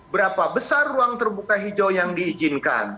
berapa besar ruang terbuka hijau yang diizinkan